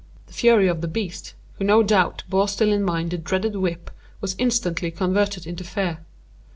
The fury of the beast, who no doubt bore still in mind the dreaded whip, was instantly converted into fear.